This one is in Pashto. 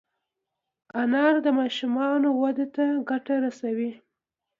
انار د ماشومانو وده ته ګټه رسوي.